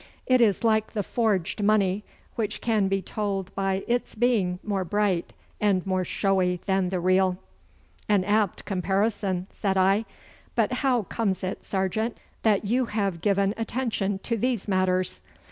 It is like the forged money, which can be told by its being more bright and more showy than the real.' 'An apt comparison!' said I. 'But how comes it, sergeant, that you have given attention to these matters?